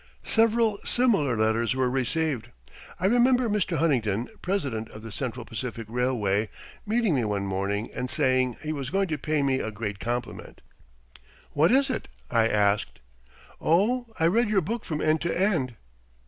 Several similar letters were received. I remember Mr. Huntington, president of the Central Pacific Railway, meeting me one morning and saying he was going to pay me a great compliment. "What is it?" Tasked. "Oh, I read your book from end to end."